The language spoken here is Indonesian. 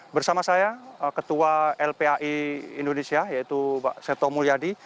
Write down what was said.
bersama saya ketua lpai indonesia yaitu pak seto mulyadi